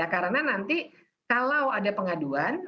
karena nanti kalau ada pengaduan